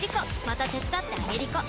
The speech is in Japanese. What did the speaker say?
また手伝ってあげりこ！